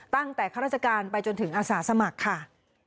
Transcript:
ตั้งแต่ข้าราชการไปจนถึงอาศาสมัครค่ะ